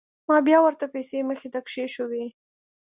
ما بيا ورته پيسې مخې ته كښېښووې.